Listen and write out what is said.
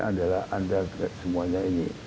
adalah anda semuanya ini